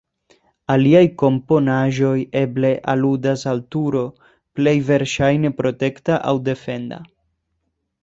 Aliaj komponaĵoj eble aludas al turo, plej verŝajne protekta aŭ defenda.